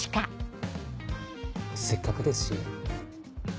せっかくですし。